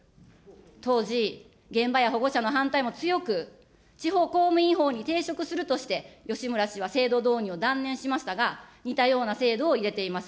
当時、現場や保護者の反対も強く、地方公務員法に抵触するとして、吉村氏は制度導入を断念しましたが、似たような制度を入れています。